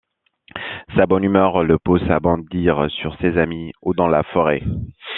Sa bonne humeur le pousse à bondir sur ses amis ou dans la forêt.